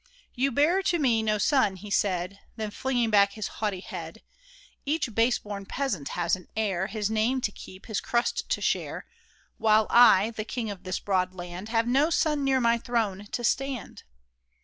" You bear to me no son," he said ; Then flinging back his haughty head :" Each base born peasant has an heir, His name to keep, his crust to share, While I — the king of this broad land — Have no son near my throne to stand